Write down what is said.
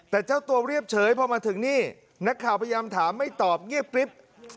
แต่เจ้าตัวเรียบเฉยพอมาถึงนี่นักข่าวพยายามถามไม่ตอบเงียบกริ๊บ